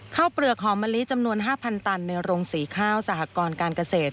เปลือกหอมมะลิจำนวน๕๐๐ตันในโรงสีข้าวสหกรการเกษตร